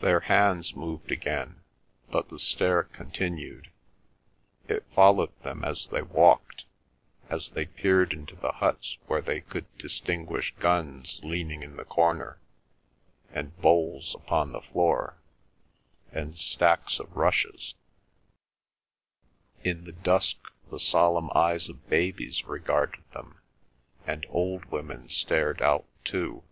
Their hands moved again, but the stare continued. It followed them as they walked, as they peered into the huts where they could distinguish guns leaning in the corner, and bowls upon the floor, and stacks of rushes; in the dusk the solemn eyes of babies regarded them, and old women stared out too.